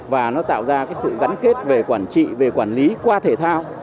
và nó tạo ra sự gắn kết về quản trị về quản lý qua thể thao